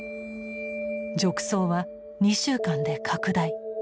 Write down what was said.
褥瘡は２週間で拡大。